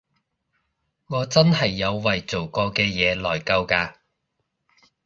我真係有為做過嘅嘢內疚㗎